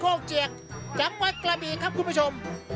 เป็นโครกเจียกจำวัดกระบีครับคุณผู้ชม